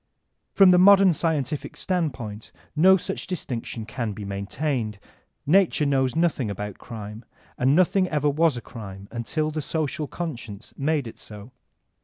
From the modem scientific standpoint no such distinction can be maintained. Nature knows nothing about crime, and nothing ever was a crime until the social Conscience made it so.